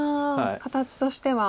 形としては。